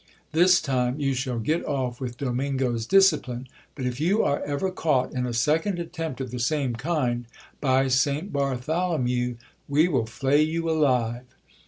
This time you shall get off with Domingo's discipline ; but if you are ever caught in a second attempt of the same kind, by Saint Bartholomew ! we will flay you alive.